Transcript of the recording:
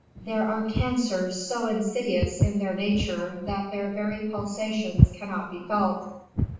"There are cancers so insidious in their nature that their very pulsations cannot be felt.